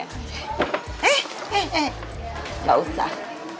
eh eh eh gak usah